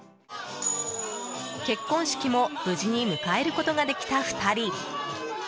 結婚式も無事に迎えることができた２人。